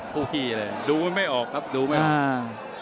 คู่ขี้เลยดูมันไม่ออกครับดูไม่ออก